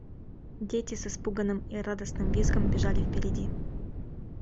Дети с испуганным и радостным визгом бежали впереди.